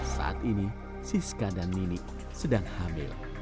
saat ini siska dan nini sedang hamil